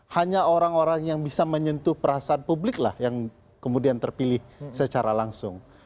hanya orang orang yang bisa menyentuh perasaan publik lah yang kemudian terpilih secara langsung